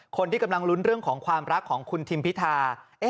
คนที่กำลังลุ้นเรื่องของความรักของคุณทิมพิธา